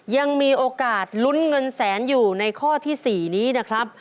ยังมีโอกาสลุ้นเงินแสนอยู่ในข้อที่๔นี้นะครับ